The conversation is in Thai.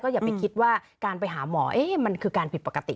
อย่าไปคิดว่าการไปหาหมอมันคือการผิดปกติ